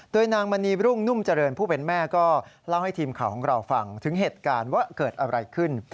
โดยนางมณีรุ่งนุ่มเจริญผู้เป็นแม่ก็เล่าให้ทีมข่าวของเราฟังถึงเหตุการณ์ว่าเกิดอะไรขึ้น